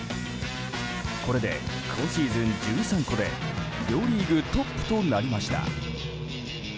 これで今シーズン１３個で両リーグトップとなりました。